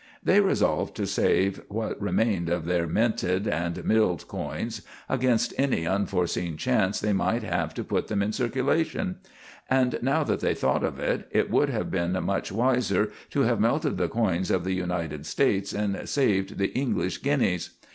They resolved to save what remained of their minted and milled coins against any unforeseen chance they might have to put them in circulation; and now that they thought of it, it would have been much wiser to have melted the coins of the United States and saved the English guineas.